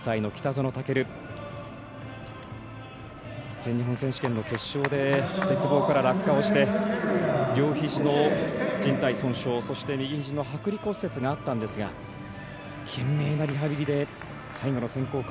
全日本選手権で鉄棒から落下して両ひじのじん帯損傷右ひじのはく離骨折があったんですが懸命なリハビリで最後の選考会